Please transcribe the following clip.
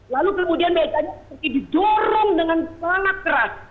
lalu kemudian mejanya seperti didorong dengan sangat keras